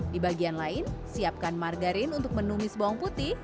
di bagian lain siapkan margarin untuk menumis bawang putih